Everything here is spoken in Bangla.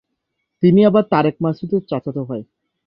তিনি আবার তারেক মাসুদের চাচাতো ভাই।